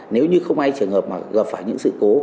nếu như không ai trường hợp mà gặp phải những sự cố